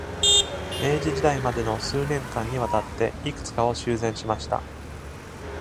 明治時代までの数年間に渡って、いくつかを修繕しました。